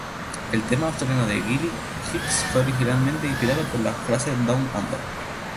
El tema australiano de Gilly Hicks fue originalmente inspirado por la frase "Down Under".